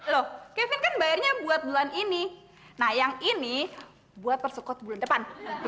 loh kevin kan bayarnya buat bulan ini nah yang ini buat persukot bulan depan